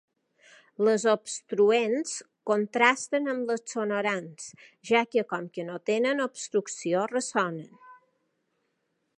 Les obstruents contrasten amb les sonorants, ja que, com que no tenen obstrucció, ressonen.